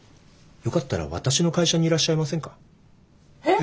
よかったら私の会社にいらっしゃいませんか？